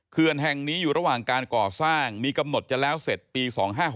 เขื่อนแห่งนี้อยู่ระหว่างการก่อสร้างมีกำหนดจะแล้วเสร็จปี๒๕๖